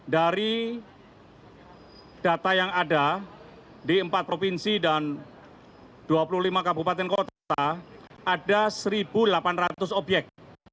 dari data yang ada di empat provinsi dan dua puluh lima kabupaten kota ada satu delapan ratus obyek